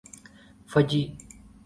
Fiji